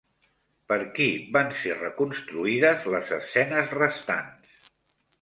Per qui van ser reconstruïdes les escenes restants?